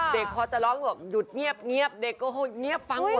เด็กคอนเซิร์ตจะลั้งอยู่หวับอยู่จะแยะเด็กก็เร็วเยี่ยมฟังก่อนเลย